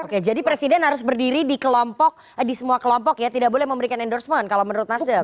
oke jadi presiden harus berdiri di kelompok di semua kelompok ya tidak boleh memberikan endorsement kalau menurut nasdem